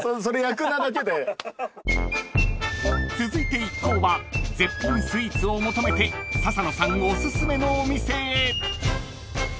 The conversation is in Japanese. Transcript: ［続いて一行は絶品スイーツを求めて笹野さんおすすめのお店へ］